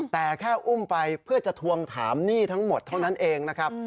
แต่แค่อุ้มไปเพื่อจะทวงถามหนี้ทั้งหมดเท่านั้นเองนะครับ